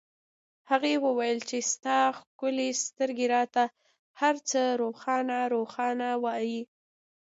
هغې وویل چې ستا ښکلې سترګې راته هرڅه روښانه روښانه وایي